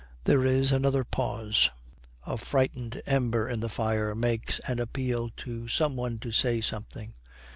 There is another pause. A frightened ember in the fire makes an appeal to some one to say something.